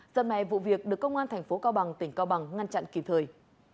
giật mẹ vụ việc được công an tp cao bằng tỉnh cao bằng ngăn chặn kỳ thương